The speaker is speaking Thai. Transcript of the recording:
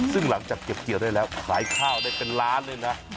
ซึ่งหลังจากเก็บเกี่ยวได้แล้วขายข้าวได้เป็นล้านเลยนะ